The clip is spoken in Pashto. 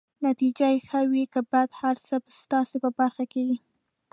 نتیجه که يې ښه وي که بده، هر څه به ستاسي په برخه کيږي.